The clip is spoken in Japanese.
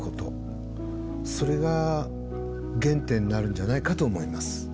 それが原点になるんじゃないかと思います。